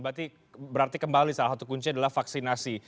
berarti berarti kembali salah satu kuncinya adalah vaksinasi